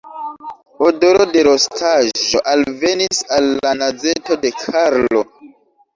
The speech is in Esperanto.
Odoro de rostaĵo alvenis al la nazeto de Karlo.